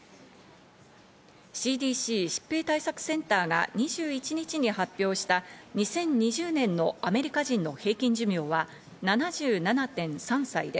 ＣＤＣ＝疾病対策センターが２１日に発表した２０２０年のアメリカ人の平均寿命は７７．３歳で